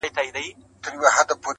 ته به کچکول را ډکوې یو بل به نه پېژنو -